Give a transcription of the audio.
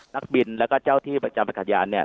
นักบินแล้วก็เจ้าที่ประจำอากาศยานเนี่ย